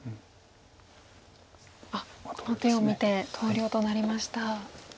この手を見て投了となりました。